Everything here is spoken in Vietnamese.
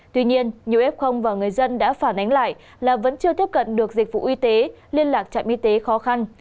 tuy nhiên nhiều f và người dân đã phản ánh lại là vẫn chưa tiếp cận được dịch vụ y tế liên lạc trạm y tế khó khăn